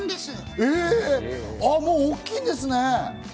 へぇ、もう大きいんですね。